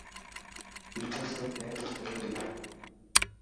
ٻيجو سب مين تي ڇڏي ڏي.